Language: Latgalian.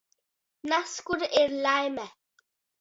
Nazkur ir laime.